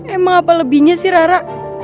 emang apa lebihnya sih rara